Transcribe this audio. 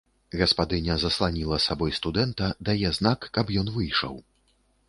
Гаспадыня засланіла сабой студэнта, дае знак, каб ён выйшаў.